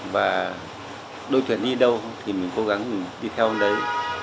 và đội tuyển đi đâu thì mình cố gắng mình đi theo đến đấy